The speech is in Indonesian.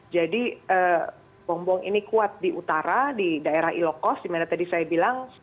jadi bom bom ini kuat di utara di daerah ilokos di mana tadi saya bilang